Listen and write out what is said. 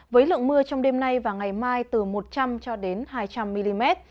với lượng mưa trong đêm nay và ngày mai từ một trăm linh cho đến hai trăm linh mm